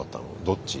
どっち？